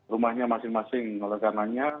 rumahnya masing masing oleh karenanya